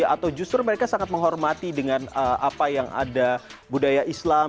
atau justru mereka sangat menghormati dengan apa yang ada budaya islam